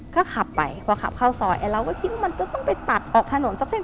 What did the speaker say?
ก็ขับไปพอขับเข้าซอยเราก็คิดว่ามันก็ต้องไปตัดออกถนนสักเส้น